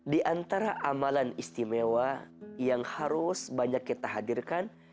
di antara amalan istimewa yang harus banyak kita hadirkan